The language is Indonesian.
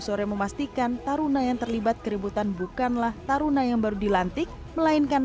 sore memastikan taruna yang terlibat keributan bukanlah taruna yang baru dilantik melainkan